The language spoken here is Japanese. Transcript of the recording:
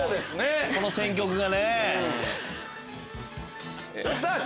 この選曲がね。